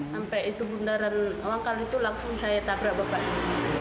sampai itu bundaran wangkal itu langsung saya tabrak bapaknya